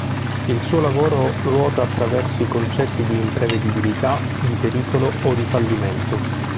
Il suo lavoro ruota attraverso i concetti di imprevedibilità, di pericolo o di fallimento.